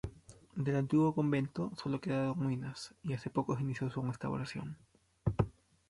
Del antiguo convento sólo quedaron ruinas, y hace poco se inició su restauración.